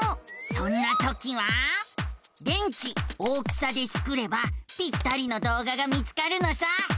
そんなときは「電池大きさ」でスクればぴったりの動画が見つかるのさ。